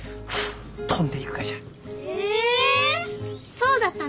そうだったの？